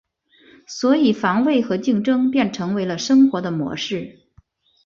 所以防卫和竞争便成为了生活的模式。